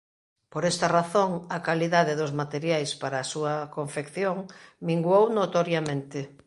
Por esta razón a calidade dos materiais para a súa confección minguou notoriamente.